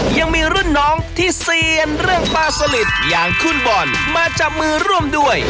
ยังมีรุ่นน้องที่เซียนเรื่องป้าสลิดอย่างคุณบอลมาจับมือร่วมด้วย